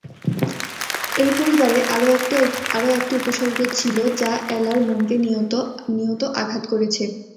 এই পরিবারে আরও একটি উপসর্গ ছিল যা এলার মনকে নিয়ত আঘাত করেছে।